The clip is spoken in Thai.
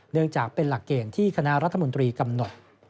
เนื่องจากเป็นหลักเกณฑ์ที่คณะรัฐมนตรีกำหนด